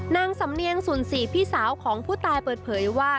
นางสำเนียงสุนศรีพี่สาวของผู้ตายเปิดเผยว่า